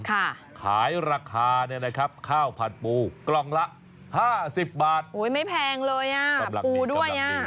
ขายราคาเนี่ยนะครับข้าวผัดปูกล่องละห้าสิบบาทโอ้ยไม่แพงเลยอ่ะปูด้วยอ่ะ